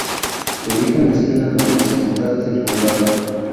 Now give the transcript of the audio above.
Se ubica en la esquina noroccidental del condado.